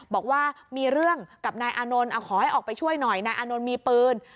บอกว่ามีเรื่องกับนายอานนท์ขอให้ออกไปช่วยหน่อยนายอานนท์มีปืน